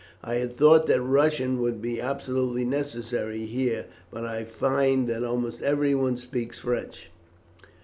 "I had thought that Russian would be absolutely necessary here, but I find that almost everyone speaks French.